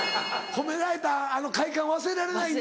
褒められたあの快感忘れられないんだ。